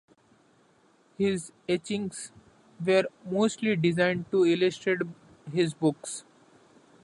His etchings were mostly designed to illustrate his books.